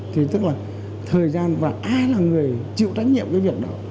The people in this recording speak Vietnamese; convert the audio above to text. thì tức là thời gian và ai là người chịu trách nhiệm cái việc đó